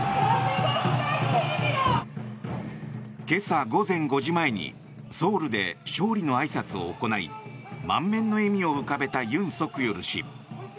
今朝、午前５時前にソウルで勝利のあいさつを行い満面の笑みを浮かべたユン・ソクヨル氏。